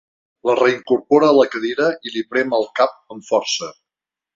La reincorpora a la cadira i li prem el cap amb força.